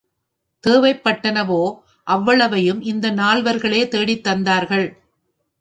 தேவைப்பட்டனவோ அவ்வளவையும் இந்த நால்வர்களே தேடித் தந்தார்கள்.